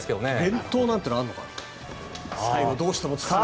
連投なんていうのはあるのかな。